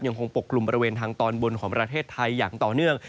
คงปกกลุ่มบริเวณทางตอนบนของประเทศไทยอย่างต่อเนื่อง